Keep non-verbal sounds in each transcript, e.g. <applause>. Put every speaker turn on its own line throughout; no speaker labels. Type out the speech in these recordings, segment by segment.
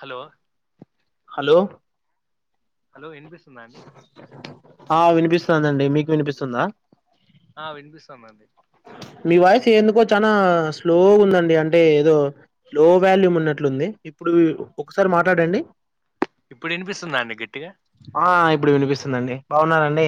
Hello
hello
hello వినిపిస్తుందా అండి
ఆ వినిపిస్తుందండి మీకు వినిపిస్తుందా
ఆ వినిపిస్తదిండి
మీ వాయిస్ ఎందుకో చాలా స్లోగన్దండి అంటే ఏదో లో వాల్యూమ్ ఉన్నట్లుంది ఇప్పుడు ఒకసరి మాట్లాడండి
ఇప్పుడు వినిపిస్తుంద అండి గట్టిగా
అ ఇప్పుడు వినిపిస్తుందండి బాగున్నర అండి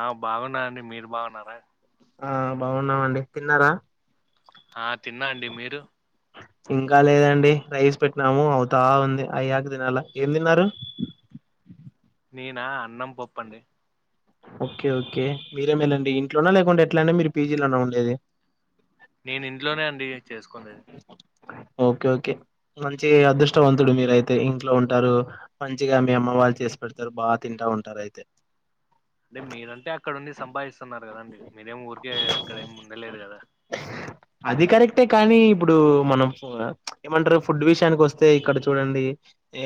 అ బాగున్న అండి మీరు బాగున్నారా
అ బాగున్నామండి తిన్నరా
అ తిన్న అండి మీరు
ఇంకా లేదండి రైస్ పెట్టినము అవుతా ఉంది అయ్యాక తినాల ఏం తిన్నారు
నేనా అన్నం పప్పండి
ఓకే ఓకే మీరే మెలండి ఇంట్లోన్నా లేకుంట ఎట్లా అండి మీరు పీజీలోనా ఉండేది
నేను ఇంట్లోనే అండి చేసుకుంది
ఓకే ఓకే మంచి అదృష్టవంతుడు మీరైతే ఇంట్లో ఉంటరు మంచిగా మీ అమ్మ వాళ్ళు చేసి పెడతరు బాగా తింటా ఉంటారు అయితే
<inaudible> రే మీరంటే అక్కడ ఉండి సంపాదిస్తున్నారు కదాండి మీరేమి ఊరికే అక్కడ ఏమి ఉండలేదు కదా
అది కరెక్టే కానీ ఇప్పుడు మనం ఏమంటరు ఫుడ్ విషయానికి వస్తే ఇక్కడ చూడండి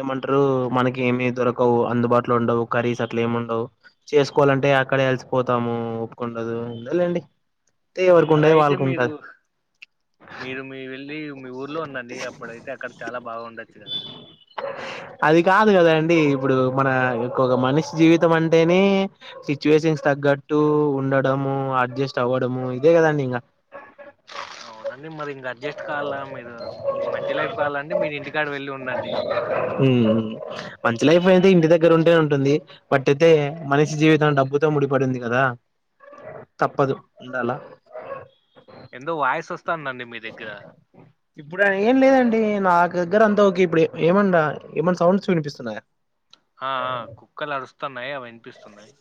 ఏమంటరు మనకి ఏమి దొరకవు అందుబాటులో ఉండవు కర్రీస్ అట్ల ఏమి ఉండవు చేసుకోవలంటే అక్కడ అలిసిపోతాము ఒప్పుకుండదు ఎందొలేండి టె ఎవరికు
అలా
ఉండేది
అయితే మీరు
వాళ్ళకుంటది
మీరు మీ వెళ్ళి మీ ఊర్లో ఉండండి అప్పుడైతే అక్కడ చాలా బాగుండొచ్చు కదా
అది కాదు కదా అండి ఇప్పుడు మన ఇన్కొక మనిషి జీవితం అంటేనే సిచ్యుయేషన్స్ తగ్గట్టు ఉండడము అడ్జస్ట్ అవ్వడము ఇదే కదండి ఇంగ
అవునండీ మరి ఇంగడ్జస్ట్ కాలా మీరు మీకు మంచి లైఫ్ కాలాండి మీరు ఇంటికాడ వెళ్ళి ఉండండి
ఉమ్ మంచి లైఫ్ అయితే ఇంటి దగ్గర ఉంటే ఉంటుంది బట్టితే మనిషి జీవితం డబ్బుతో ముడిపడింది కదా తప్పదు ఉండలా
ఎందొ వాయిస్ వస్తాందండి మీ దగ్గర
ఇప్పుడు ఏం లేదండి నా దగ్గర అంతా ఒక ఇప్పుడు ఏమండ ఏమన్నా సౌండ్స్ వినిపిస్తున్నాయా
అ అ కుక్కలు అరుస్తనై అవి వినిపిస్తున్నయి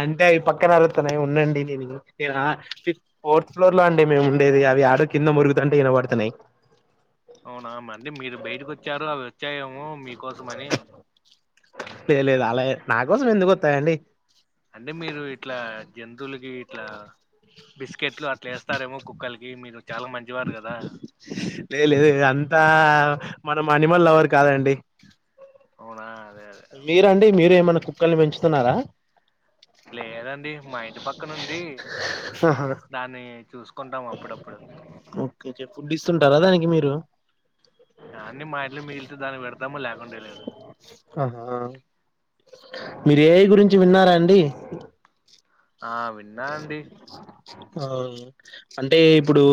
అంటే అవి పక్కన అరుతనై ఉండండి నేను ఫోర్త్ ఫ్లోర్ లో అండి మేము ఉండేది అవి యాడో కింద మురుగుతంటే వినబడుతున్నయి
అవునా మండి మీరు బయటకి వచ్చరు అవి వచ్చాయేమో మీకోసం అని
లేలేదు అలా నా కోసం ఎందుకు వస్తయండి
అంటే మీరు ఇట్లా జంతువులకి ఇట్లా బిస్కెట్లు అట్లా వేస్తారేమో కుక్కలకి మీరు చాలా మంచివారు గదా
లే లేదు అంతా మనం అనిమల్ లవర్ కాదండి
అవున
మీరండి మీరు ఏమన్న కుక్కల్ని పెంచుతున్నరా
లేదండి మా ఇంటి పక్కన ఉంది
ఆహా
దాన్ని చూసుకుంటాం అప్పుడప్పుడు
ఓకే ఫుడ్ ఇస్తుంటరా దానికి మీరు
దాన్ని మా ఇట్లో మిగిలితే దాన్ని పెడతామో లకుండే లేదు
ఆహా మీరు ఏఐ గురించి విన్నారా అండి
ఆ విన్నా అండి
అ అంటే ఇప్పుడు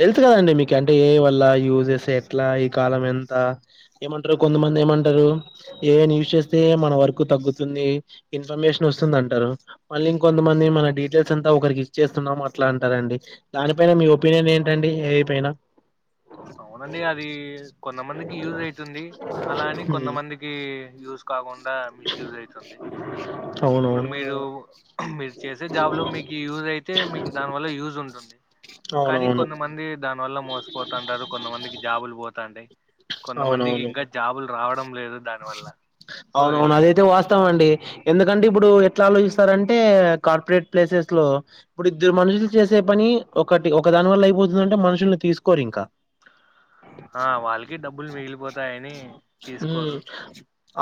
తెలుసు కదండి మీకు అంటే ఏ వల్ల యూజ్చేస్తే ఎట్లా ఈ కాలం ఎంత ఏమంటరు కొంతమంది ఏమంటరు ఏఐనీ చేస్తే మన వరకు తగ్గుతుంది ఇన్ఫర్మేషన్ వస్తుంది అంటారు మళ్ళీ ఇంకొంతమంది మన డీటెయిల్స్ అంతా ఒకరికి ఇచ్చేస్తున్నము అట్లా అంటారండి దానిపైన మీ ఒపీనియన్ ఏంటడి ఏఐ పైన
అవునండి అది కొంతమందికి యూజ్ అయితుంది అలా అని
హ్మ్,
కొంతమంది కి యూజ కాకుండా మిస్యూజ్ అయితుంది ఇప్పుడు
అవునవును
మీరు మీరు చేసే జాబ్ లో మీకు యూజ్ అయితే మీకు దాని వల్ల యూజ్ ఉంటుంది కానీ
అవునవును
కొంతమంది దాని వల్ల మోసిపోతుంటరు కొంతమందికి జాబులు పోతాంటాయి కొంతమందికి
అవునవును
ఇంకా జాబులు రావడం లేదు దాని వల్ల
అవునవును అదేయితే వాస్ స్తమండి ఎందుకంటే ఇప్పుడు ఎట్లా ఆలోచిస్తారంటే కార్పొరేట్ ప్లేసెస్ లో ఇప్పుడు ఇద్దరు మనుషులు చేసే పని ఒకటి ఒక దాని వల్ల అయిపోతుందంటే మనుషుల్ని తీసుకోరు ఇంకా
ఆ వాళ్ళకి డబ్బులు మిగిలిపోతాయని తీసుకోరు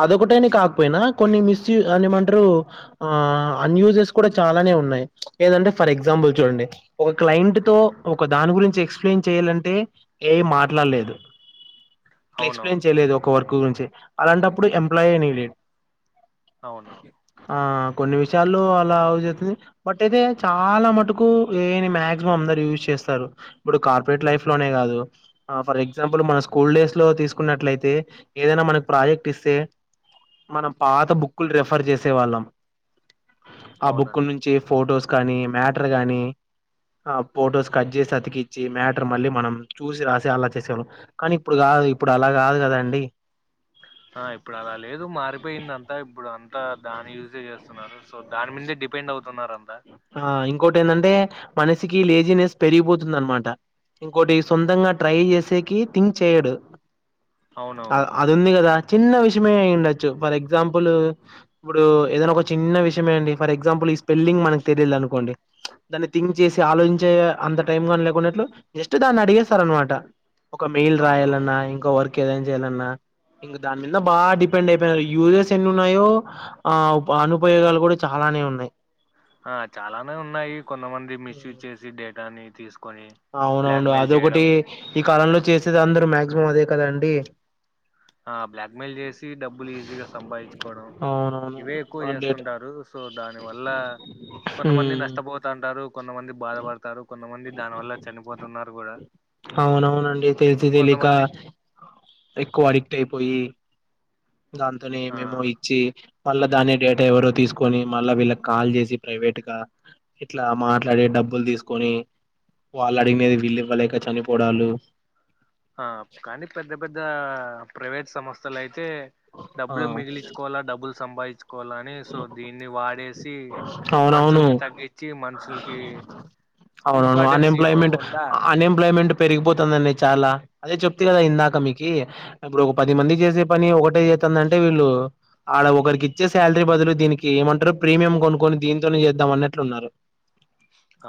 అదొకటేని కాకపోయినా కొన్ని మిస్యు అనిఏమంటారు ఆ అన్యూజెస్ కూడా చాలానే ఉన్నాయి ఏంటంటే ఫర్ ఎగ్జాంపుల్ చూడండి. ఒక క్లయింట్ తో ఒక దాని గురించి ఎక్స్ప్లెయిన్ చేయాలంటే ఏ ఐ మాట్లాడలేదు.
<inaudible>
ఇట్లా ఎక్స్ప్లెయిన్ చేయలేదు ఒక వర్క్ గురించి అలాంటప్పుడు ఎంప్లాయే నీడిడ్
అవును
ఆ కొన్ని విషయాల్లో అలా యుసాయితుంది బట్ అయితే చాలా మటుకు ఏ ఐ నీ మాక్సిమం అందరు యూజ్ చేస్తారు. ఇప్పుడు కార్పొరేట్ లైఫ్ లోనే కాదు ఫర్ ఎగ్జాంపుల్ మన స్కూల్ డేస్ లో తీసుకున్నట్లయితే ఏదైనా మనకు ప్రాజె తీసే మనం పాత బుక్కులు రెఫర్ చేసే వాళ్ళం ఆ
అవునండి
బుక్కుల్ నుంచి ఫొటోస్ కానీ మ్యాటర్ గాని ఆ ఫొటోస్ కట్ చేసి అతికిచ్చి మ్యాటర్ మళ్ళీ మనం చూసి రాసి అలా చేసేవాళ్ళం కానీ ఇప్పుడు కాదు ఇప్పుడు అలా కాదు కద అండి
ఆ ఇప్పుడు అలా లేదు మారిపోయిందంతా ఇప్పుడు అంతా దాని యూజే చేస్తున్నారు. సో దాని మీదే డిపెండ్ అవుతున్నారంతా
ఆ ఇంకోటి ఏంటంటే మనసికి లేజినెస్ పెరిగిపోతుంది అనమాట ఇంకోటి సొంతంగా ట్రై చేసేకి థింక్ చేయడు
అవునవును
అది ఉంది కదా చిన్న విషయమే అయి ఉండచ్చు ఫర్ ఎగ్జాంపుల్ ఇప్పుడు ఏదైనా ఒక చి చిన్న విషయమేండి ఫర్ ఎగ్జాంపుల్ ఈ స్పెల్లింగ్ మకు తెలియదు అనుకోండి దాన్ని థింక్ చేసి ఆలోచించే అంత టైమ్ గాని లేకున్నట్లు జస్ట్ దాన్ని అడిగేస్తారు అనమాట ఒక మేల్
అవునవును
రాయాలన్నా ఇంకో వర్క్ ఏదైనా చెయ్యాలన్నా ఇంక దాని మీద బాగా డిపెండ్ అయిపోయినారు యూసెస్ ఎన్ని ఉన్నాయో ఆ ఉప అనుపయోగాలు కూడా చాలానే ఉన్నాయి
ఆ చాలానే ఉన్నాయి కొంతమంది మిస్ యూజ్ చేసి డేటాని తీసు
అవునవును అదొకటి ఈ కాలంలో చేసేది అందరూ మాక్సిమం అదే కదాండి
ఆ బ్లాక్ మెయిల్ చేసి డబ్బులు ఈజీగా సంపాదించుకోవడం ఇవే ఎక్కువ
అవునవును డేట్
చేస్తుంటారు సో దాని వల్ల కొంతమంది నష్టపోతంటారు కొంతమంది బాధపడతారు కొంతమంది దాని వల్ల చనిపోతున్నారు కూడా
అవునండి తెలిసి తెలిక
కొంతమంది
ఎక్కువ అడిక్ట్ అయిపోయి దానితోనే
ఆ
మేమోరీ చ్చి మళ్ళా దాన్నీ డేటా ఎవరో తీసుకొని మళ్ళా వీళ్ళకి కాల్ చేసి ప్రైవేట్ గా ఎట్లా అమా అడిగి డబ్బులు తీసుకొని వాళ్ళు అడిగినది వీళ్ళు ఇవ్వలేక చనిపోడాలు
ఆ కానీ పెద్ద పెద్ద ప్రైవేట్ సంస్థలు అయితే
ఆ
డబ్బులు మిగిలించ్చుకోవాలా డబ్బులు సంపాదించుకోవాలా అని సో దీన్ని వాడేసి షి
అవునవును
మనుషుల్ని తగ్గించి మనుషులకి
అవునవును అన్
ఇంపార్టెన్స్
ఎంప్లాయమెంట్
ఇవ్వకోకుండా
అన్ ఎంప్లాయమెంట్ పెరిగిపోతుందండి చాలా అదే చెప్తి కదా ఇందాక మీకి ఇప్పుడు ఒక పది మంది చేసే పని ఒకటే చేస్తుందింటే వీళ్ళు అడ ఒకరికి ఇచ్చే శాలరీ బదులు దీనికి ఏమంటారు ప్రీమియం కొనుక్కొని దీనింతోనే చేద్దాం అన్నట్లున్నారు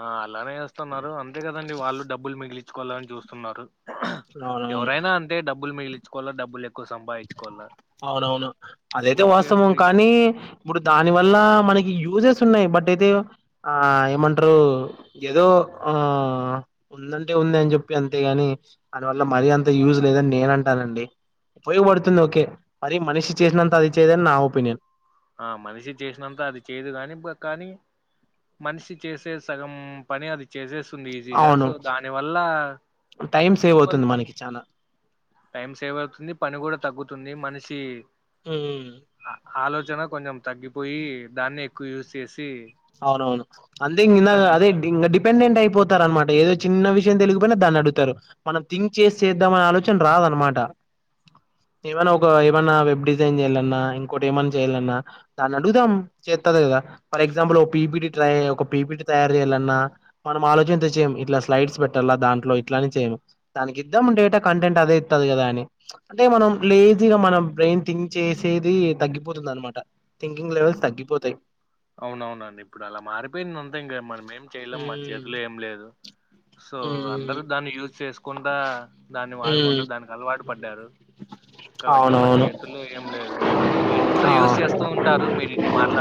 ఆ అలానే వస్తున్నారు అంతే కదండి వాళ్ళు డబ్బులు మిగిలించుకోవాలని చూస్తున్నారు.
అవునవును
ఎవరైనా అంటే డబ్బులు మిగిలిచ్చుకోవాల డబ్బులు ఎక్కువ సంపాదించుకోవాలా
అవునవును అదైతే
ఊరికే
వాస్తవం
ఫ్రీ
కానీ ఇప్పుడు దాని వల్ల మనకి యూజెస్ ఉన్నాయి బట్ అయితే ఆ ఏమంట్రూ ఏదో ఆ ఉందంటే ఉంది అని చెప్పి అంతేగాని దానివల్ల మరీ అంత యూజ్ లేదని నేన్ అంటానండి ఉపయోగపడుతుంది ఓకే మరి మనిషి చేసినంత అది చేయదని నా ఒపీనియన్
ఆ మనిషి చేసినంత అది చేయదు కాని బ కాని మనిషి చేసే సగం పని అది చేసేసి స్తుంది ఈజీగా
అవును.
సో దాని వల్ల
టైం సేవ్
కొం
అవుతుంది మనకి చానా.
టైం సేవ్ అవుతుంది పని కూడా తగ్గుతుంది మనిషి
హుమ్మ్
అ ఆలోచన కొంచెం తగ్గిపోయి దాన్నే ఎక్కువ యూజ్ చేసి
అవునవును అంతే ఇందాగ అదే
తగ్గిస్తాడు
ఇంకా డిపెండెంట్ అయిపోతు అనమాట ఏదో చిన్న విషయం తెలియకపోయినా దాన్ని అడుగుతారు మనం థింక్ చేసి చేద్దామనే ఆలోచన రాదనమాట
<unintelligible>
ఏమన్నా ఒక
ఇప్పుడు
ఏమన్న వెబ్ డిజ్ జైన్ చేయాలన్నా ఇంకోటి ఏమన్న చేయాలన్నా దాన్ని అడుగుదాం చెత్తది కదా ఎగ్జాంపుల్ పీపిటి ట్రై ఒక పీపిటీ తయారు చేయాలన్నా మనం ఆలోచనతో చేయము ఇట్లా స్లైడ్స్ పెట్టాల దాంట్లో ఇట్లానే చేయ్యము దానికిద్దాము డేటా కంటెంట్ అదే ఇత్తాది కదా అని అంటే మనం లేజీగా మనం బ్రెయిన్ థింక్ చేసేది తగ్గిపోతుంది అనమాట థింకింగ్ లెవల్స్ తగ్గిపోతాయ్
అవునవునండి ఇప్పుడు అలా మారిపోయింది అంతా ఇంకా మనం ఏం చేయలేం మా
ఉమ్
చేతిలో ఏం లేదు సో
ఉమ్
అందరు దాన్ని యూజ్ చేసుకుండా దాన్ని
ఉమ్
వాడకుండా దానికి అలవాటు పడ్డారు కాబట్టి మన
అవునవును
చేతుల్లో ఏం లేదు ఇప్పుడు మీరు కూడా
ఆ
యూజ్ చేస్తూ ఉంటారు మీరు ఇన్ని మాట్లా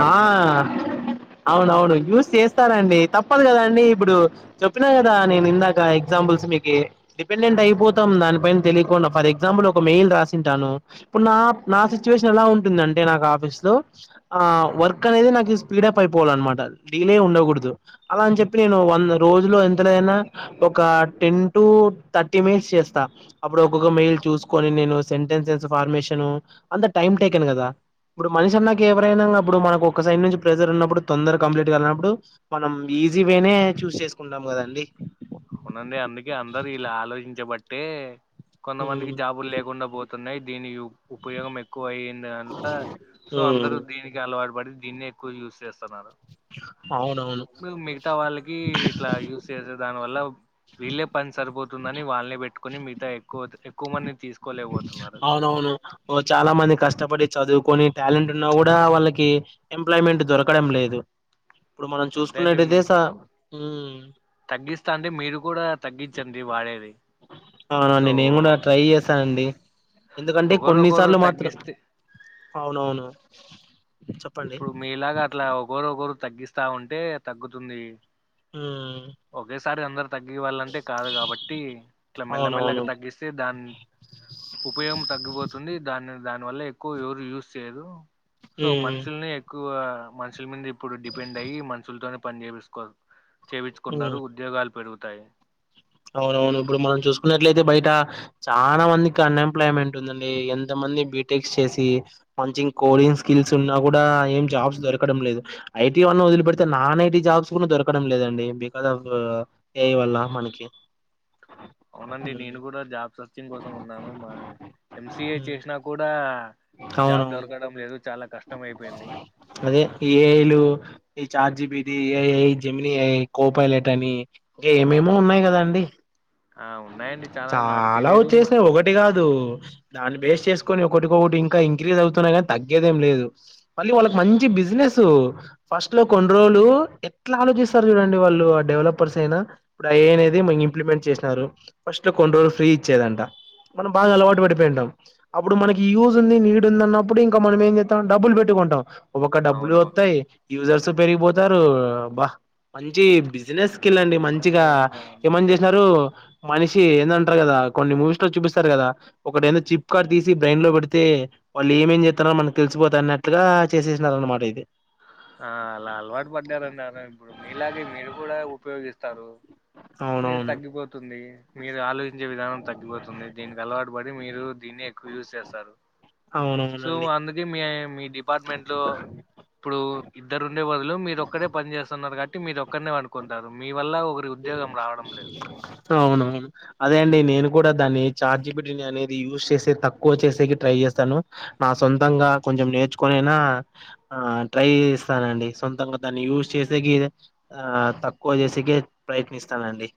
ఆ అవునవును యూస్ చేస్తనండి తప్పదు కదాఅండి ఇప్పుడు చెప్పినా కదా నేను ఇందాక ఎగ్జాంపుల్స్ మీకి డిపెండెంట్ అయిపోద్ త్తం దానిపైన తెలియకుండా ఫర్ ఎగ్జాంపుల్ ఒక మెయిల్ రాసింటాను ఇప్పుడు నా నా సిచ్యువేషన్ ఎలా ఉంటుంది అంటే నాకు ఆఫీస్ లో ఆ వర్క్ అనేది నాకు స్పీడప్ అయిపోవాలన్నమాట డీలే ఉండకూడదు అలా అని చెప్పి నేను వంద రోజులు ఎంత లేదన్న ఒక టెన్ టు థర్టీ మినిట్స్ చేస్తా స్త అప్పుడు ఒక్కొక్క మెయిల్ చూసుకొని నేను సెంటెన్స్సెస్ ఫార్మేషను అంత టైం టేకన్ కదా ఇప్పుడు మనిషి అన్నాకి ఎవరైనా అప్పుడు మనకు ఒక సైడ్ నుంచి ప్రెజర్ ఉన్నప్పుడు తొందర కంప్లీగానపుడు మనం ఈజీ వేనే చూస్ చేసుకుంటాం కదండి
అ వునండి అందుకే అందరూ ఇలా ఆలోచించబట్టే కొంతమందికి
ఉమ్
జాబులు లేకుండా పోతె తున్నయ్ దేనియు ఉపయోగం ఎక్కువ అయింది అల సో అందరూ
ఉమ్
దీనికే అలవాటు పడి దీన్నే క్కువ యూస్ చేస్తన్నారు
అవునవును
మిగతా వాళ్ళకి ఇట్లా యూస్ చేేసే దాని వల్ల వీళ్ళే పని సరిపోతుందని వాళ్ళనే పెట్టుకొని మిగతా ఎక్కువ ఎక్కువ మంది తీసుకు
అవునవును ఓ చాలా మంది కష్టపడి చదువుకొని టాలెంట్ ఉన్నా కూడా వాళ్ళకి ఎంప్లాయ్మెంట్ దొరకడం లేదు ఇప్పుడు మనం
అంతే
చూసుకున్నటు అయితే స ఉమ్
తగ్గిస్టెంతే మీరు కూడా తగ్గించండి వాడేది
ఆ
సో
అవునండి నేను కూడా ట్రై చేస్తా అండీ ఎందుకంటే
ఒకరొకరు
కొన్నిసార్లు మాత్రం
తగ్గిస్తే
అవునవును చె
ఇప్పుడు మీలాగా అట్లా ఒకరు ఒకరు తగ్గిస్త ఉంటే తగ్గుతుంది
ఉమ్
ఒకేసారి అందరు తగ్గ వాళ్ళంటే కాదు కాబట్టి ఇట్ల మెల్లమెల్లగా
అవునవును
తగ్గిస్త సే దన్ ఉపయోగం తగ్గిపోతుంది దాన్ దాని వల్ల ఎక్కువ ఎవరు యూజ్ చేయదు సో
ఉమ్
మనుషులని ఎక్కువ మనుషుల మీద ఇప్పుడు డిపెండ్ అయ్యి మనుషులతోనే పని చేపిసుకో
ఉమ్
చేవించుకున్నరు ఉద్యోగాలు పెరుగుతాయి
అవునవును ఇప్పుడు మనం చూసుకున్నట్లయితే బయట చాలా మందికి అన్ఎంప్లాయ్మెంట్ ఉందండి ఎంత మంది బీటెక్స్ చేసి మంచిం కోడింగ్ స్కిల్స్ ఉన్నా కూడా ఏం జాబ్స్ దొరకడం లేదు ఐటీ వన్న వదిలిపెడితే నాన్ ఐటీ జాబ్స్ కూడా దొరకడం లేదండి బికస్ ఆఫ్ ఏయ వల్ళ మనకి
అవునండి నేను
హ్మ్.
కూడా జాబ్ సర్చింగ్ కోసం ఉన్నాను మా ఎంసిఏ
హ్మ్.
చేసినా కూడా జాబ్
అవునవును
దొరకడం లేదు చాలా కష్టం అయిపోయింది
అదే ఈ
మీ
ఏఐలు ఈ చాట్ జిబిది ఏ జెమినీ అ కోపలెట్ అని ఇంకా ఏమేమో ఉన్నయి కదా అండి
ఆ ఉన్నాయండి నాకు
చాలా
తెలీదు మ-
వచ్చేసయి ఒకటి టి కాదు దాన్ని బేస్ట్ చేసుకొని ఒకటికొకటి ఇంకా ఇంక్రీజ్ అవుతున్నయి కానీ తగ్గేదేం లేదు మళ్ళీ వాళ్ళకి మంచి బిజినెస్ ఫస్ట్ లో కొన్నిరోలు ఎట్లా ఆలోచిస్తారు చూడండి వాళ్ళు ఆ డెవలపర్స్ అయినా ఇప్పుడు అవినేది మ ఇంప్లిమెంట్ చేసినారు ఫస్ట్ కొన్ని రోజులు ఫ్రీ ఇచ్చేదంట మనం బాగా అలవాటు పడిపోయింటాం అప్పుడు మనకి యూజ్ ఉంది నీడ్ ఉంది అన్నప్పుడు ఇంకా మనం ఏం చేద్దాం డబ్బులు పెట్టుకొంటాం ఒక్క డబ్బులు
అవునవును
వస్తయి యూజర్స్ పెరిగిపోతారు బా మంచి
ఆ,
బిజినెస్ స్కిల్ అండి
అవునండి
మంచిగా
ఇంకా
ఏమని
అంతే
చేసినారు మనిషి ఏందంటరు కదా కొన్ని మూవీస్ లో చూపిస్తారు కదా ఒకటైనా చిప్ కార్ తీసి బ్రెయిన్ లో పెడితే వాళ్ళు ఏమేమి చేస్తున్నరో మనకి తెలిసిపోత అన్నట్టుగా చేసేసినార అనమాట ఇది
ఆ ఆలా అలవాటు పడ్డారున్నారు ఇప్పుడు మీలాగే మీరు కూడా ఉపయోగిస్తరు మీరు
అవునవును
తగ్గిపోతుంది మీరు ఆలోచించే విధానం తగ్గిపోతుంది దీనికి అలవాటు పడి మీరు దీన్ని ఎక్కువ యూజ్ చేస్తరు సో
అవునవునండి
అందుకే మీ మీ డిపార్ట్మెంట్ లో ఇప్పుడు ఇద్దరు ఉండే బదులు మీరోక్కడే పని చేస్తున్నారు కాట్టి మీరు క్కన్నీ అనుకుంటరు మీ వల్ల ఒక
అవునువును అదే అండి నేను కూడా దాన్ని చార్జిబిలిటీ అనేది యూస్చేసే తక్కువ చేసేకి ట్రై చేస్తాను నా సొంతంగా కొంచెం నేర్చుకొనైనా ఆ ట్రై చేస్తానండి సొంతంగా దాన్ని యూజ్ చేసే కి ఆ తక్కువ చేసక ప్రయత్నిస్తనండి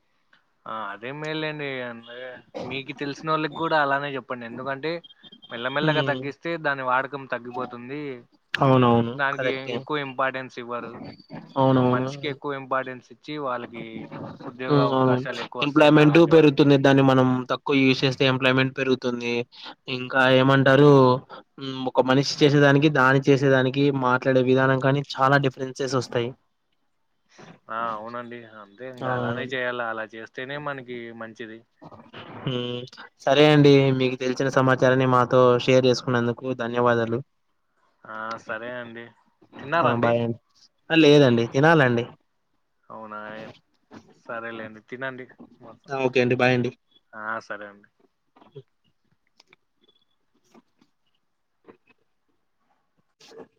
ఆ అదే మేలేండి అ మీకు తెలిసిన వాళ్ళకి కూడా అలానే చెప్పండి ఎందుకంటే మెల్లమెల్లగా
ఉమ్,
తగ్గిస్తే దాని వాడకం తగ్గిపోతుంది
అవునవును
ధన్కీ
కరెక్టే
ఎక్కువ ఇంపార్టెన్స్ ఇవ్వారు స మనషకి
అవునవును
ఎక్కువ ఇంపార్టెన్స్ ఇ వచ్చి వాళ్ళకి ఉద్యోగ
ఉమ్
అవకాశాలు ఎక్కువ వస్తాయి నా
ఎంప్లాయ్మెంట్
అలాంటి వాళ్ళకి
పెరుగుతుంది దాన్ని మనం తక్కువ యూజ్ చేస్తే ఎంప్లాయ్మెంట్ పెరుగుతుంది ఇంకా ఏమంటరు ఉమ్ ఒక మనిషి చేసేదానికి దాని చేసేదానికి మాట్లాడే విధానం కానీ చాలా డిఫరెన్సెస్ వస్తాయి
ఆ అవునండి అంతే ఇంకా అలానే
అవును.
చేయాలా అలా చేస్తేనే మనకి మంచిది
హుమ్ సరే అండి మీకు తెలిసిన సమాచారాన్ని మాతో షేర్ జేసుకున్నందుకు ధన్యవాదాలు
ఆ సరే అండి తిన్నారా అండి
అ లేదండి తినాలండి
అవునా ఏం సరేలేండి తినండి మొత్తం
ఆ ఓకే అండి బాయ్ అండి
ఆ సరే అండి